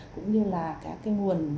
cũng như là các nguồn